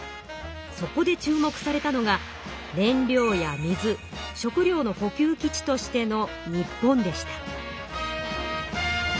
そこで注目されたのが燃料や水食料の補給基地としての日本でした。